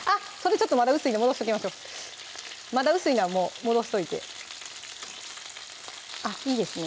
ちょっとまだ薄いんで戻しときましょうまだ薄いのはもう戻しといてあっいいですね